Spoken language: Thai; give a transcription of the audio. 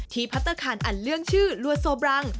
พัฒนาคารอันเรื่องชื่อลัวโซบรัง